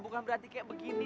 bukan berarti kayak begini